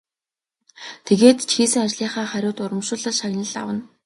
Тэгээд ч хийсэн ажлынхаа хариуд урамшуулал шагнал авна.